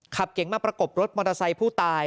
เก๋งมาประกบรถมอเตอร์ไซค์ผู้ตาย